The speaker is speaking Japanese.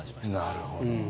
なるほど。